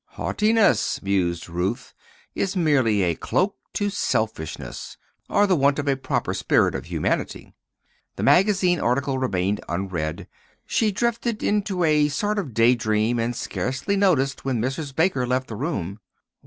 "Haughtiness," mused Ruth, "is merely a cloak to selfishness, or the want of a proper spirit of humanity." The magazine article remained unread; she drifted into a sort of day dream, and scarcely noticed when Mrs. Baker left the room.